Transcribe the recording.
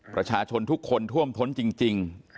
ประชาชนทุกคนท่วมท้นจริง